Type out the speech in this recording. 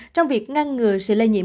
trong việc ngăn ngừa sự lây nhiễm